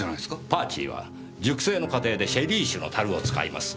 「パーチー」は熟成の過程でシェリー酒の樽を使います。